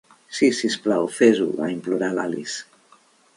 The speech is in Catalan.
"Sí, si us plau, fes-ho", va implorar l'Alice.